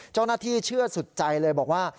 เจ้าหน้าที่เชื่อสุดใจเลยบอกว่า